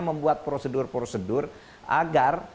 membuat prosedur prosedur agar